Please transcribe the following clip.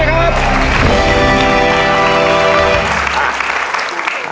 ไม่ใช้นะครับ